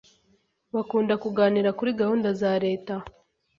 Bakunda kuganira kuri gahunda za Leta